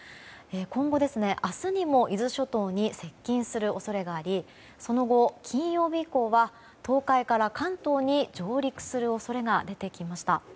今後、明日にも伊豆諸島に接近する恐れがありその後、金曜日以降は東海から関東に上陸する恐れが出てきました。